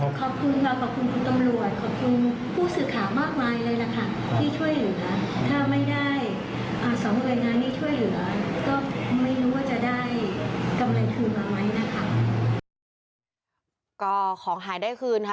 ขอบคุณค่ะขอบคุณคุณกำลัวดขอบคุณผู้ศึกขามากมายเลยนะคะ